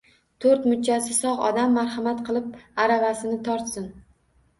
To‘rt muchasi sog‘ odam, marhamat qilib, aravasini tortsin